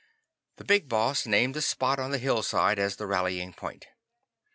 The Big Boss named the spot on the hillside as the rallying point.